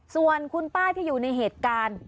ส่วนคุณป้าที่อยู่ในเหตุการณ์